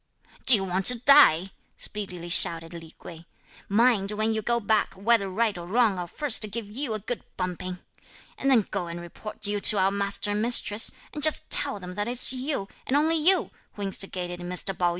"Do you want to die?" speedily shouted Li Kuei; "mind, when you go back, whether right or wrong, I'll first give you a good bumping, and then go and report you to our master and mistress, and just tell them that it's you, and only you, who instigated Mr. Pao yü!